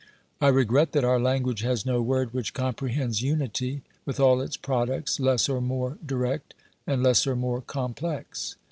I regret that our language has no word which comprehends unity, with all its products less or more direct, and less or more complex.